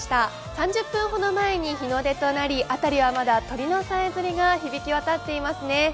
３０分ほど前に日の出となり、辺りはまだ鳥のさえずりが響きわたっていますね。